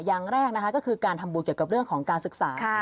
อย่างแรกนะคะก็คือการทำบุญเกี่ยวกับเรื่องของการศึกษา